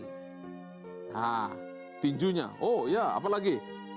nah tinjunya oh ya apalagi